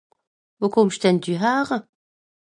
Wo kùmmsch denn dü häre?